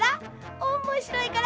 おもしろいから！